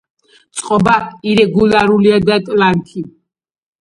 წყობა ირეგულარულია და ტლანქი.